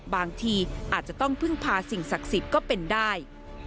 บางทีอาจจะต้องพึ่งพาสิ่งศักดิ์สิทธิ์ก็เป็นได้